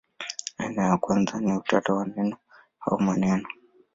Aina ya kwanza ni utata wa neno au maneno.